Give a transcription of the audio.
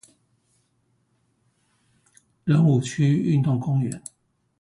仁武區運動公園